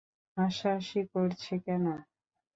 হাসাহাসি করছে কেন?